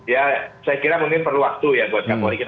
ya saya kira mungkin perlu waktu ya buat kapolri kita